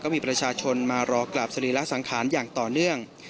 มีประชาชนมารอกราบสรีระสังขารอย่างต่อเนื่อง